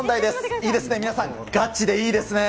いいですね、皆さん、ガチでいいですね。